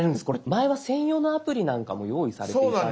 前は専用のアプリなんかも用意されていたんです。